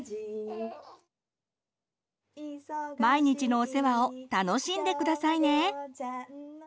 毎日のお世話を楽しんでくださいね！